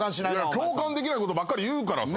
共感できないことばっかり言うからさ。